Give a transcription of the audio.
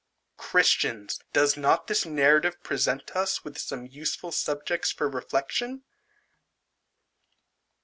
Christians! does not this narrative present us with some useful subjects for reflection?